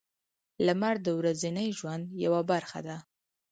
• لمر د ورځني ژوند یوه برخه ده.